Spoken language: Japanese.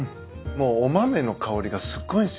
もうお豆の香りがすっごいんすよ。